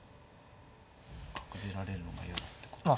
角出られるのが嫌だってことですか。